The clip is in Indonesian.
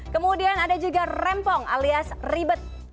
kemudian ada juga rempong alias ribet